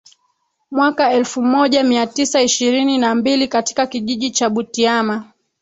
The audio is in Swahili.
mwaka elfu moja mia tisa ishirini na mbili katika kijiji cha Butiama